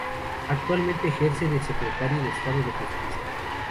Actualmente ejerce de Secretario de Estado de Justicia.